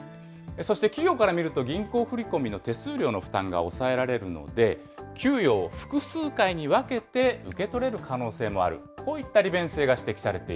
そして企業から見ると、銀行振り込みの手数料の負担が抑えられるので、給与を複数回に分けて受け取れる可能性もある、こういったなるほど。